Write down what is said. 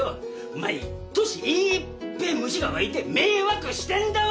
毎年いーっぺ虫が湧いて迷惑してんだわ！